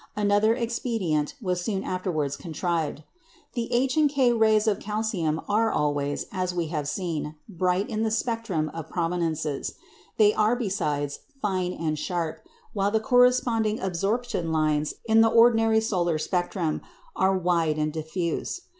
Another expedient was soon afterwards contrived. The H and K rays of calcium are always, as we have seen, bright in the spectrum of prominences. They are besides fine and sharp, while the corresponding absorption lines in the ordinary solar spectrum are wide and diffuse.